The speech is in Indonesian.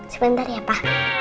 sebentar ya pa